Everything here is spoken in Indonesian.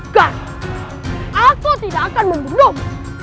karena aku tidak akan menunduk